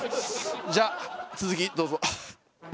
じゃあ続きどうぞ。